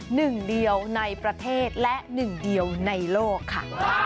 หนึ่งเดียวในประเทศและหนึ่งเดียวในโลกค่ะ